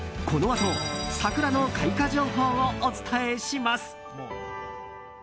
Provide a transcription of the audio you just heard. このあと桜の開花情報をお伝えします。